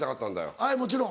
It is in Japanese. はいもちろん。